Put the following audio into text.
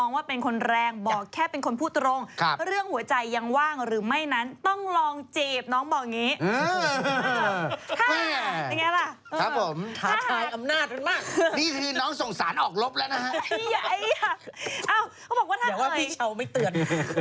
เขาบอกว่าถ้าเกิดว่าพี่เช้าไม่เตือน